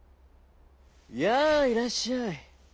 「やあいらっしゃい。